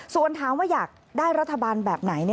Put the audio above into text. ส่วนถามว่าอยากได้รัฐบาลแบบไหน